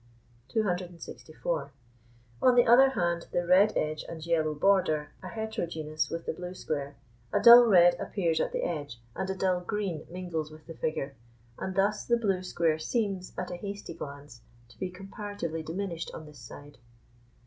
264. On the other hand the red edge and yellow border are heterogeneous with the blue square; a dull red appears at the edge, and a dull green mingles with the figure, and thus the blue square seems, at a hasty glance, to be comparatively diminished on this side.